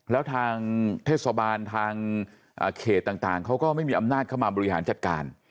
แล้วทางเทศบาลทางเขตต่างเขาก็ไม่มีอำนาจเข้ามาบริหารจัดการ